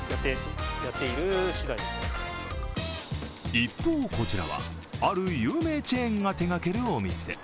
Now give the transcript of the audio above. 一方こちらはある有名チェーンが手がけるお店。